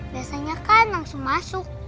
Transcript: biasanya kan langsung masuk